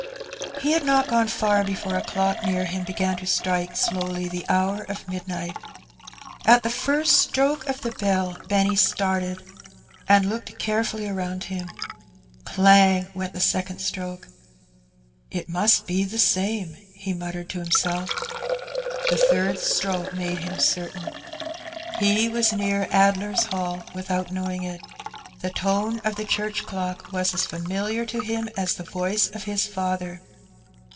He had not gone far before a clock near him began to strike slowly the hour of midnight. At the first stroke of the bell Benny started, and looked carefully around him. Clang went the second stroke. '^It must be the same,'' he muttered to himself. The third stroke made him certain. He was near Addler's Hall without knowing it. The tone of the church clock was as familiar to him as the "voice of his father.